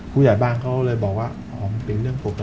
ผู้ใหญ่บ้านเขาเลยบอกว่าอ๋อมันเป็นเรื่องปกติ